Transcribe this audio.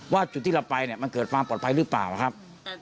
ว่าจุดที่เราไปเนี่ยมันเกิดความปลอดภัยหรือเปล่าครับ